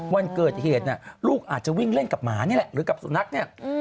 วันเกิดเหตุลูกอาจจะวิ่งเล่นกับหมานี่แหละหรือกับสุนัขเนี่ย